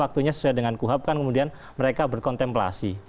waktunya sesuai dengan kuha kemudian mereka berkontemplasi